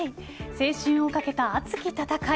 青春をかけた熱き戦い。